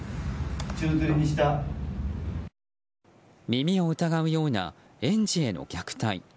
耳を疑うような園児への虐待。